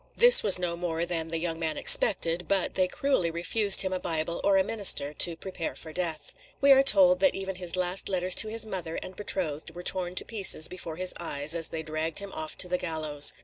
This was no more than the young man expected; but they cruelly refused him a Bible or a minister to prepare for death. We are told that even his last letters to his mother and betrothed were torn to pieces before his eyes, as they dragged him off to the gallows.